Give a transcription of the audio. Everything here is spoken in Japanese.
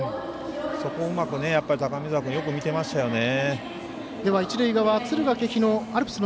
そこをうまく、高見澤君がよく見てましたよね。